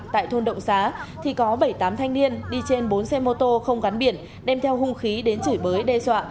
tại thôn động xá thì có bảy mươi tám thanh niên đi trên bốn xe mô tô không gắn biển đem theo hung khí đến chửi bới đe dọa